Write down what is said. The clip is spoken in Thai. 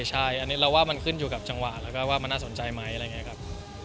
ใช่อันนี้เราว่ามันขึ้นอยู่กับจังหวะแล้วก็ว่ามันน่าสนใจไหมอะไรอย่างนี้ครับ